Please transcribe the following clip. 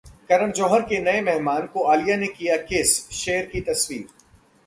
करण जौहर के नए मेहमान को आलिया ने किया Kiss, शेयर की तस्वीर